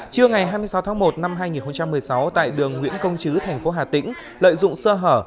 trưa ngày hai mươi sáu tháng một năm hai nghìn một mươi sáu tại đường nguyễn công chứ thành phố hà tĩnh lợi dụng sơ hở